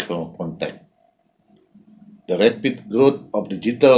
kekembangan rapi dari transaksi digital